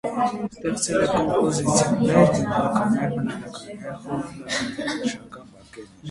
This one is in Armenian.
Ստեղծել է կոմպոզիցիաներ, դիմանկարներ, բնանկարներ, խորհրդանշական պատկերներ։